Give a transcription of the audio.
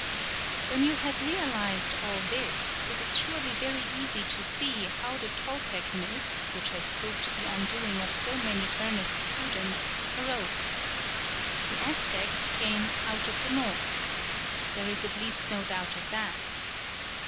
When you have realised all this, it is surely very easy to see how the Toltec myth, which has proved the undoing of so many earnest students, arose. The Aztecs came "out of the north." There is at least no doubt of that.